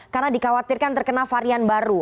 karena dikhawatirkan terkena varian baru